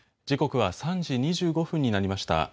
時刻は３時２５分になりました。